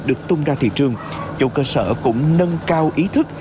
để kiểm tra thị trường chỗ cơ sở cũng nâng cao ý thức